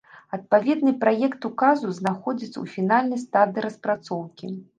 Адпаведны праект указу знаходзіцца ў фінальнай стадыі распрацоўкі.